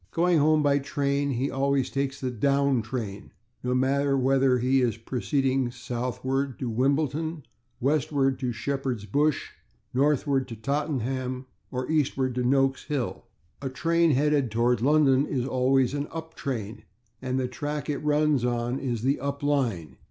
Going home by train he always takes the /down train/, no matter whether he be proceeding southward to Wimbleton, [Pg110] westward to Shepherd's Bush, northward to Tottenham or eastward to Noak's Hill. A train headed toward London is always an /up train/, and the track it runs on is the /up line